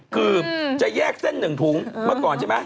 คือจะแยกเส้นหนึ่งถุงมาก่อนใช่ไหม